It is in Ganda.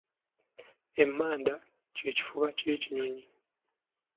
Emmanda kye kifuba ky’ekinyonyi.